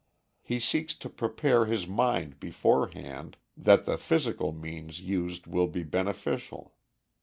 He seeks to prepare his mind beforehand, that the physical means used will be beneficial.